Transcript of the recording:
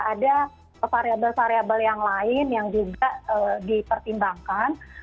ada variabel variabel yang lain yang juga dipertimbangkan